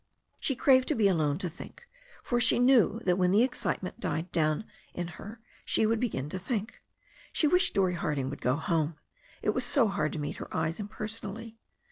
She craved to be alone to think, for she knew that when the excitement died down in her she would begin to think. She wished Dorrie Harding would go home. It was so hard to meet her eyes impersonally.